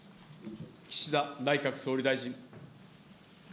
岸田内閣総理大臣。